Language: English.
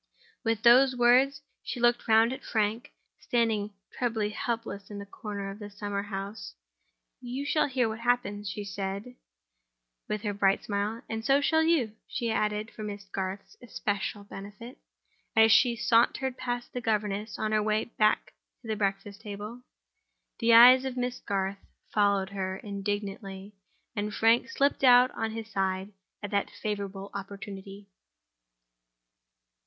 With those words, she looked round at Frank, standing trebly helpless in a corner of the summer house. "You shall hear what happens," she said, with her bright smile. "And so shall you," she added for Miss Garth's especial benefit, as she sauntered past the governess on her way back to the breakfast table. The eyes of Miss Garth followed her indignantly; and Frank slipped out on his side at that favorable opportunity.